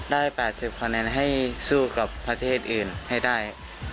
ได้๘๐คะแนนให้สู้กับประเทศอื่นให้ได้